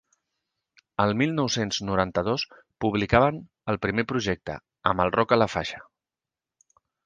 El mil nou-cents noranta-dos publicaven el primer projecte, Amb el rock a la faixa.